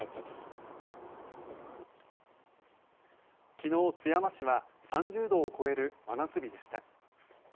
昨日、津山市は３０度を超える真夏日でした。